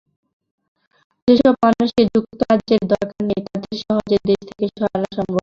যেসব মানুষকে যুক্তরাজ্যের দরকার নেই, তাঁদের সহজে দেশ থেকে সরানো সম্ভব হবে।